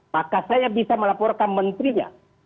maka saya bisa melaporkan menterinya